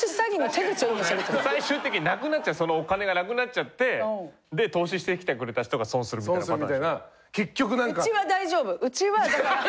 最終的になくなっちゃうそのお金がなくなっちゃってで投資してきてくれた人が損するみたいなパターンでしょ。